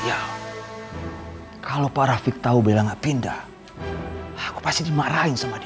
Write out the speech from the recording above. sial kalau pak rafiq tahu bella gak pindah aku pasti dimarahin sama dia